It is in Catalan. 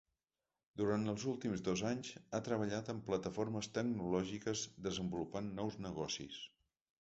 Durant els últims dos anys ha treballat en plataformes tecnològiques desenvolupant nous negocis.